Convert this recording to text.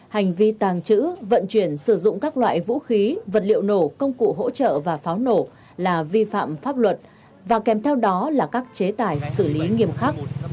hành vi tàng trữ vận chuyển sử dụng các loại vũ khí vật liệu nổ công cụ hỗ trợ và pháo nổ là vi phạm pháp luật và kèm theo đó là các chế tài xử lý nghiêm khắc